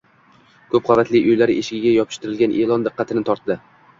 Koʻp qavatli uylari eshigiga yopishtirilgan eʼlon diqqatini tortdi